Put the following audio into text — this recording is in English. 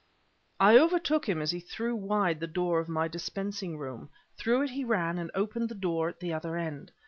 I overtook him as he threw wide the door of my dispensing room. Through it he ran and opened the door at the other end.